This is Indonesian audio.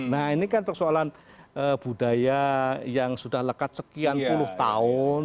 nah ini kan persoalan budaya yang sudah lekat sekian puluh tahun